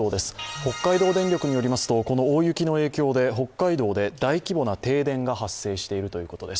北海道電力によりますと、この大雪の影響で北海道で大規模な停電が発生しているということです。